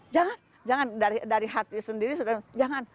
jangan jangan dari hati sendiri jangan